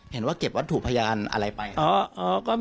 เห็นว่าเก็บวัตถุพยานอะไรไปครับ